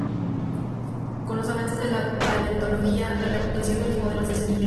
Con los avances de la paleontología, la reputación de los modelos descendió.